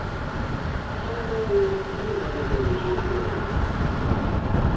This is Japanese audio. その場合も何科を受診すればいいのかっていうことなんですが。